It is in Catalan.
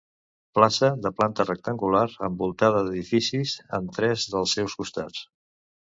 Plaça de planta rectangular envoltada d'edificis en tres dels seus costats.